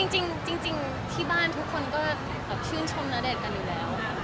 จริงที่บ้านทุกคนก็ชื่นชมณเดชน์กันอยู่แล้ว